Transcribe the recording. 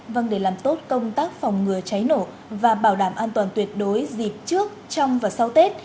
vâng để làm tốt công tác phòng ngừa cháy nổ và bảo đảm an toàn tuyệt đối dịp trước trong và sau tết